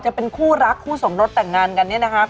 จะเป็นคู่รักคู่สมรสแต่งงานกันเนี่ยนะครับ